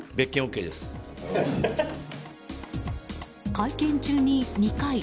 会見中に２回。